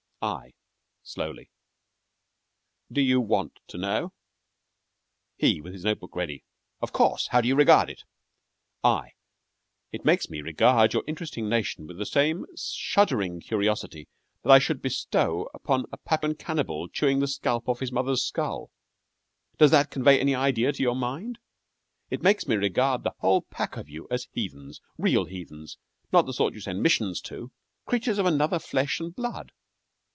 I (slowly) Do you want to know? HE (with his note book ready) Of course. How do you regard it? I It makes me regard your interesting nation with the same shuddering curiosity that I should bestow on a Pappan cannibal chewing the scalp off his mother's skull. Does that convey any idea to your mind? It makes me regard the whole pack of you as heathens real heathens not the sort you send missions to creatures of another flesh and blood.